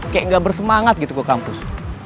kayak gak bersemangat gitu ke kampus